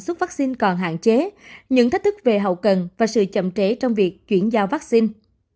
xuất vắc xin còn hạn chế những thách thức về hậu cần và sự chậm trễ trong việc chuyển giao vắc xin